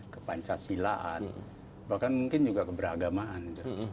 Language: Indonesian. ke pancasilaan bahkan mungkin juga keberagamaan